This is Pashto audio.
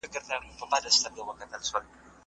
دقیق معلومات د سم سیاست لامل کیږي.